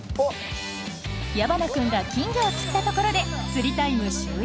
矢花君が金魚を釣ったところで釣りタイム終了。